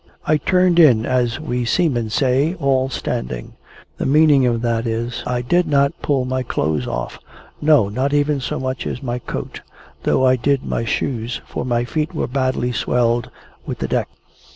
I turned in, as we seamen say, all standing. The meaning of that is, I did not pull my clothes off no, not even so much as my coat: though I did my shoes, for my feet were badly swelled with the deck.